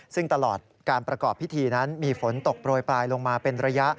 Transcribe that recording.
ซึ่งตลอดการประกอบพิธีนั้นมีฝนตกโปรยปลายลงมาเป็นระยะ